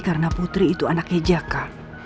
karena putri itu anaknya jaka